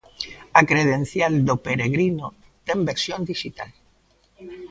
A credencial do peregrino ten versión dixital.